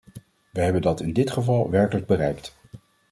Wij hebben dat in dit geval werkelijk bereikt.